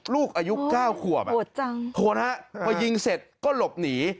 ลูกอายุ๙ขวบโหดจังโหดฮะพอยิงเสร็จก็หลบหนี